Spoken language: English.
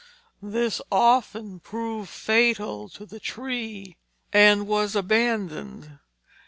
This often proved fatal to the trees, and was abandoned.